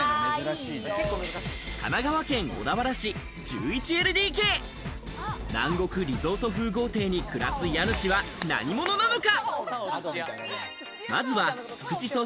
神奈川県小田原市１１ＬＤＫ、南国リゾート風豪邸に暮らす家主は何者なのか？